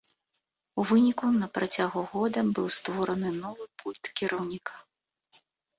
У выніку на працягу года быў створаны новы пульт кіраўніка.